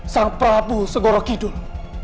sang prabu segoroh kidul